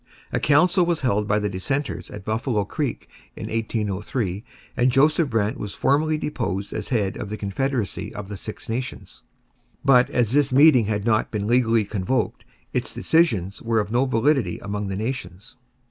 A council was held by the dissenters at Buffalo Creek in 1803, and Joseph Brant was formally deposed as head of the confederacy of the Six Nations. But as this meeting had not been legally convoked, its decisions were of no validity among the Nations.